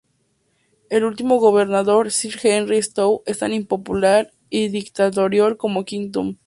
El último gobernador, Sir Henry Stow, es tan impopular y dictatorial como "King Tom".